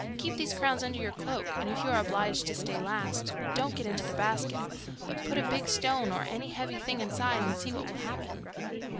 Keep these crowns under your cloak, and if you are obliged to stay last, don't get into the basket, but put a big stone, or any heavy thing inside, and see what will happen.